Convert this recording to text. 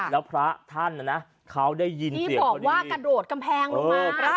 แล้วพระท่านนะนะเขาได้ยินเสียงบอกว่ากระโดดกำแพงลงมา